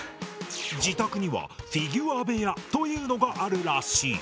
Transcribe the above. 自宅には「フィギュア部屋」というのがあるらしい。